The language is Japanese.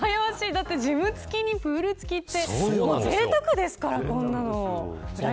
だってジム付きにプール付きってぜいたくですから、こんなの。